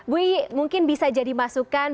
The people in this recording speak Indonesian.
bu iyi mungkin bisa jadi masukan